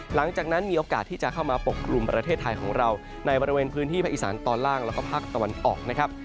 หลังจากนั้นมีโอกาสที่จะเข้ามาปกกลุ่มประเทศไทยของเราในบริเวณพื้นที่ภาคอีสานตอนล่างแล้วก็ภาคตะวันออกนะครับ